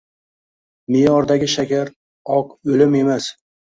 Me’yordagi shakar “oq o‘lim” emas